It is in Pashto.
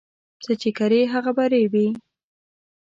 څه چې کرې هغه به ریبې